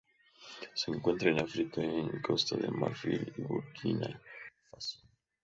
Se encuentran en África: en Costa de Marfil y Burkina Faso.